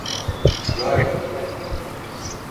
Gayet iyiler.